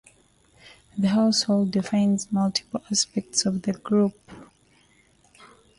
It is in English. The household defines multiple aspects of the group.